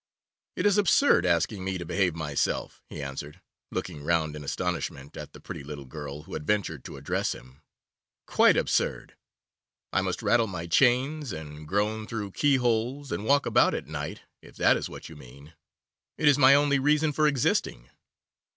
'It is absurd asking me to behave myself,' he answered, looking round in astonishment at the pretty little girl who had ventured to address him, 'quite absurd. I must rattle my chains, and groan through keyholes, and walk about at night, if that is what you mean. It is my only reason for existing.